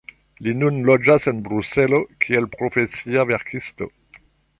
Li nun loĝas en Bruselo kiel profesia verkisto.